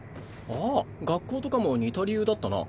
ああ学校とかも似た理由だったな。